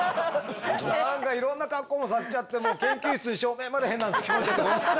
何かいろんな格好もさせちゃって研究室に照明まで変なのつけ込んじゃってごめんなさい。